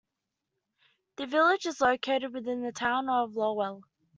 The village is located within the Town of Lowell.